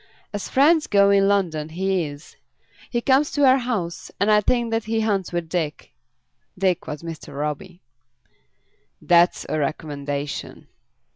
"As friends go in London, he is. He comes to our house, and I think that he hunts with Dick." Dick was Mr. Roby. "That's a recommendation."